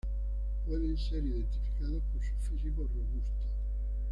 Pueden ser identificados por su físico robusto.